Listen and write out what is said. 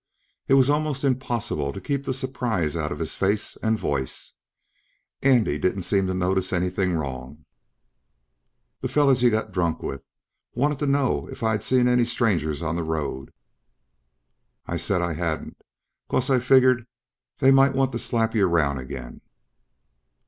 It was almost impossible to keep the surprise out of his face and voice. Andy didn't seem to notice anything wrong. "Th' fellers y'got drunk with. Wanted t'know if I'd seen any strangers on th' road. I said I hadn't, 'cause I figgered they might want t'slap y'around again."